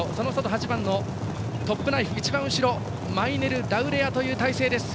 ８番トップナイフが一番後ろマイネルラウレアという体制です。